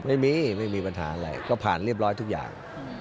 ไม่มีไม่มีปัญหาอะไรก็ผ่านเรียบร้อยทุกอย่าง